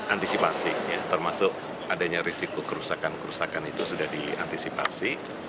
antisipasi termasuk adanya risiko kerusakan kerusakan itu sudah diantisipasi